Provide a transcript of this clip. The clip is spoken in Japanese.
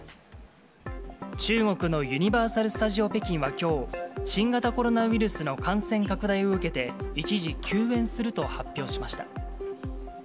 中国のユニバーサル・スタジオ北京はきょう、新型コロナウイルスの感染拡大を受けて、一時休園すると発表しました。